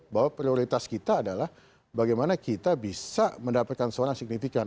bahwa prioritas kita adalah bagaimana kita bisa mendapatkan suara signifikan